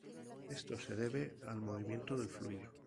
Esto se debe al movimiento del fluido.